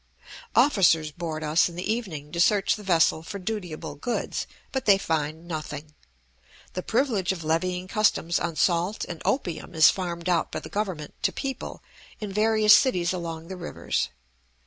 Officers board us in the evening to search the vessel for dutiable goods; but they find nothing. The privilege of levying customs on salt and opium is farmed out by the government to people in various cities along the rivers.